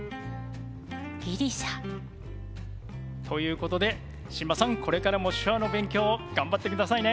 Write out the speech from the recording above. ギリシャ。ということで新間さんこれからも手話の勉強頑張ってくださいね。